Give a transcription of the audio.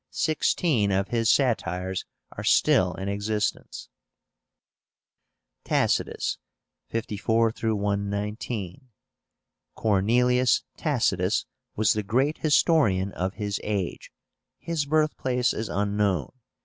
Sixteen of his satires are still in existence. TACITUS (54 119). CORNELIUS TACITUS was the great historian of his age. His birthplace is unknown.